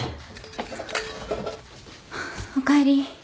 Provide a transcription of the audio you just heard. おかえり。